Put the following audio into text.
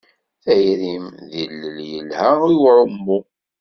Tayrim d ilel yelha i uɛumu.